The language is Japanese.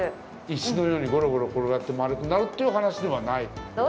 石のように、ごろごろ転がって丸くなるという話ではないと。